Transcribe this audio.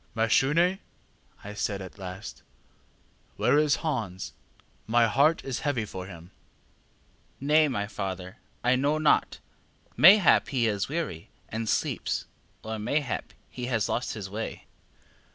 ŌĆ£ŌĆśMashune, ŌĆÖ I said at last, ŌĆśwhere is Hans? my heart is heavy for him. ŌĆÖ ŌĆ£ŌĆśNay, my father, I know not; mayhap he is weary, and sleeps, or mayhap he has lost his way.